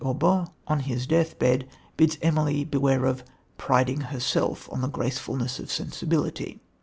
Aubert, on his deathbed, bids Emily beware of "priding herself on the gracefulness of sensibility."